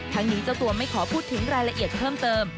ทั้งนี้เจ้าตัวไม่ขอพูดถึงรายละเอียดเพิ่มเติม